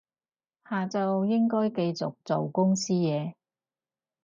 下晝應該繼續做公司嘢